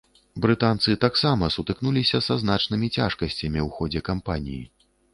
Брытанцы таксама сутыкнуліся са значнымі цяжкасцямі ў ходзе кампаніі.